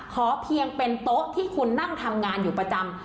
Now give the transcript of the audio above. ขอเพียงเป็นโต๊ะที่คุณนั่งทำงานอยู่ประจำ